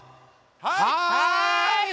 はい！